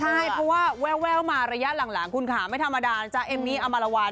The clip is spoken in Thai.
ใช่เพราะว่าแววมาระยะหลังคุณค่ะไม่ธรรมดานะจ๊ะเอมมี่อมารวัล